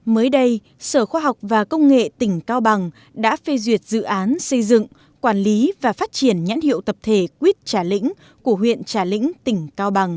mới đây sở khoa học và công nghệ tỉnh cao bằng đã phê duyệt dự án xây dựng quản lý và phát triển nhãn hiệu tập thể quýt trà lĩnh của huyện trà lĩnh tỉnh cao bằng